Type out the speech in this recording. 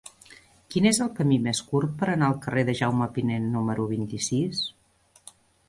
Quin és el camí més curt per anar al carrer de Jaume Pinent número vint-i-sis?